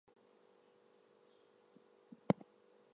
In Germany Andorra remains one of the best known of Frisch's plays.